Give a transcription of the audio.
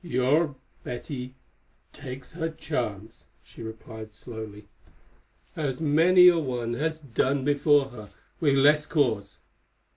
"Your Betty takes her chance," she replied slowly, "as many a one has done before her with less cause.